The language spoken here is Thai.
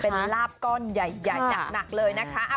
เป็นลาบก้อนใหญ่หนักเลยนะคะ